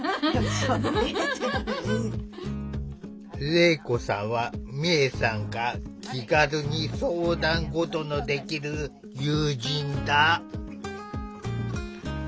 礼子さんは美恵さんが気軽に相談事のできる友人だ。